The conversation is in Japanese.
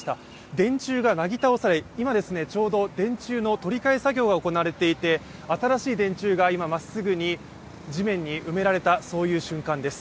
電柱がなぎ倒され、今ちょうど電柱の取り替え作業が行われていて、新しい電柱が今、まっすぐに地面に埋められた、そういう瞬間です。